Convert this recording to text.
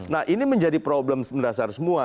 nah ini menjadi problem mendasar semua